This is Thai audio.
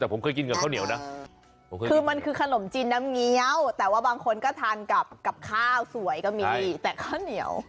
แล้วพอมีน้ำเหนียวมาก็เลยกินน้ำเหนียว